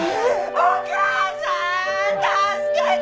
お母さん助けて！